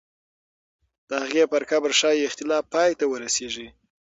د هغې پر قبر ښایي اختلاف پای ته ورسېږي.